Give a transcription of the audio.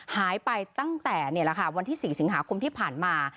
หายไปตั้งแต่วันที่๔สิงหาคมที่ผ่านมา